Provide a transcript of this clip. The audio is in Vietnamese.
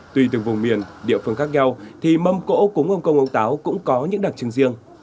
tùy từng vùng miền địa phương khác nhau thì mâm cỗ cúng ông công ông táo cũng có những đặc trưng riêng